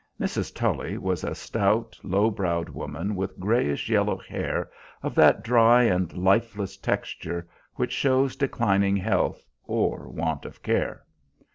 Mrs. Tully was a stout, low browed woman, with grayish yellow hair of that dry and lifeless texture which shows declining health or want of care.